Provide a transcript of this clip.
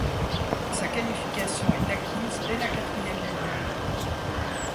Sa qualification est acquise dès la quatrième journée.